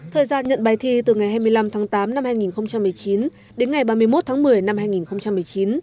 thời gian nhận bài thi từ ngày hai mươi năm tháng tám năm hai nghìn một mươi chín đến ngày ba mươi một tháng một mươi năm hai nghìn một mươi chín